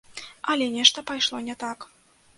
Але нешта пайшло не так.